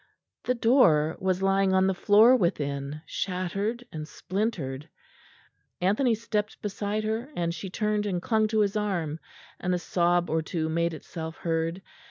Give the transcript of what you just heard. The door was lying on the floor within, shattered and splintered. Anthony stepped beside her, and she turned and clung to his arm, and a sob or two made itself heard.